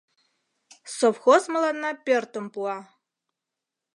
Совхоз мыланна пӧртым пуа...»